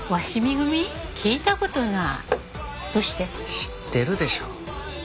知ってるでしょ。